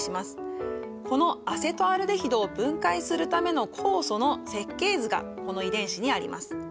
このアセトアルデヒドを分解するための酵素の設計図がこの遺伝子にあります。